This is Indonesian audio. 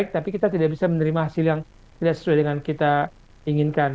tidak sesuai dengan kita inginkan